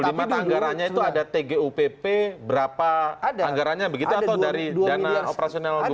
di mana anggarannya itu ada tgupp berapa anggarannya begitu atau dari dana operasional gubernur